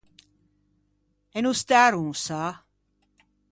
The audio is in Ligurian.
E no stæ à ronsâ!